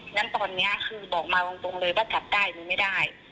นั้นตอนนี้คือบอกมาตรงเลยว่าจับได้หรือไม่ได้